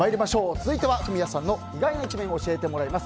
続いてはフミヤさんの意外な一面を教えてもらいます